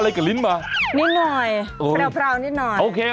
นิดนึงพี่ประโยชน์แพรวพราวนิดนึง